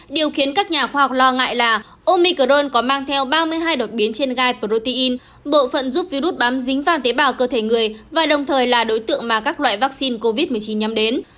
điều khiến các nhà khoa học lo ngại là omicrone có mang theo ba mươi hai đột biến trên gai protein bộ phận giúp virus bám dính vàon tế bào cơ thể người và đồng thời là đối tượng mà các loại vaccine covid một mươi chín nhắm đến